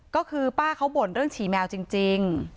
ก็คือป้าเขาบ่นเรื่องฉี่แมวจริง